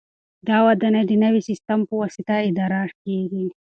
دا ودانۍ د نوي سیسټم په واسطه اداره کیږي.